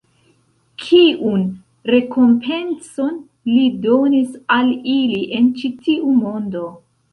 Kiun rekompencon Li donis al ili en ĉi tiu mondo?